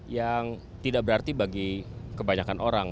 yang tidak berarti bagi kebanyakan orang